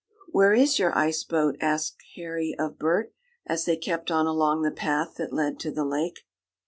"Where is your ice boat?" asked Harry of Bert, as they kept on along the path that led to the lake.